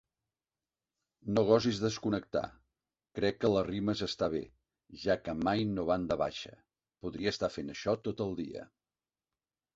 No gosis desconnectar, crec que les rimes esta bé, ja que mai no van de baixa, podria estar fent això tot el dia.